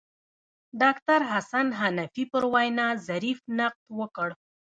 ډاکتر حسن حنفي پر وینا ظریف نقد وکړ.